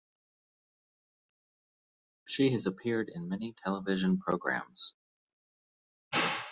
She has appeared in many television programmes.